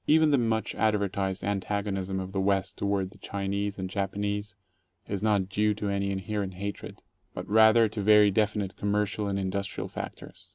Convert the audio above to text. Even the much advertised antagonism of the West toward the Chi nese and Japanese is not due to any inherent hatred, but rather to very definite commercial and industrial factors.